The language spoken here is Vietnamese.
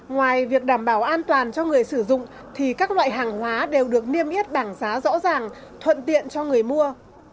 ngoài việc đảm bảo an toàn cho người sử dụng thì các loại hàng hóa đều được niêm yết bảng giá rõ ràng thuận tiện cho người mua